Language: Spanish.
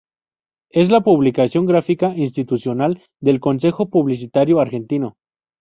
Es la publicación gráfica institucional del Consejo Publicitario Argentino.